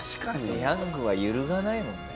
ペヤングは揺るがないもんね。